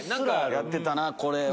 やってたなこれを。